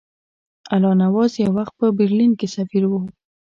الله نواز یو وخت په برلین کې سفیر وو.